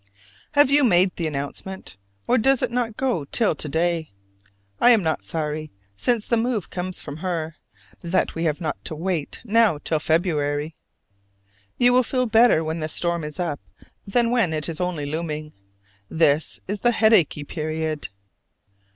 Have you made the announcement? or does it not go till to day? I am not sorry, since the move comes from her, that we have not to wait now till February. You will feel better when the storm is up than when it is only looming. This is the headachy period.